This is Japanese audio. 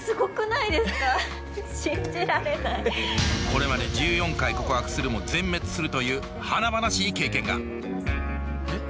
これまで１４回告白するも全滅するという華々しい経験が。